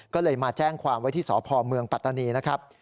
ก็เลยมาแจ้งความไว้ที่สพเมืองปัตตานีนะครับ